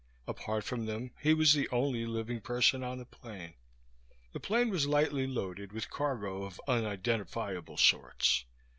Apart from them he was the only living person on the plane. The plane was lightly loaded with cargo of unidentifiable sorts.